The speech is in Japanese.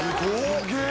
すげえ。